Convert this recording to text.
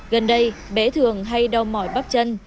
gần đây bé thường hay đau mỏi bắp chân